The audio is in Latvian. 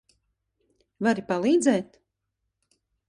Vari palīdzēt?